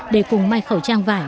để cố gắng tự may khẩu trang vải